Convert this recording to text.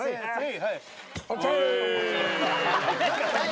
はいはい。